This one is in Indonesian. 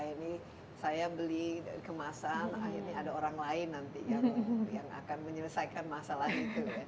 ini saya beli kemasan akhirnya ada orang lain nanti yang akan menyelesaikan masalah itu ya